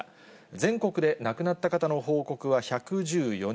全国で亡くなった方の報告は１１４人。